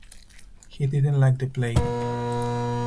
He didn't like the play.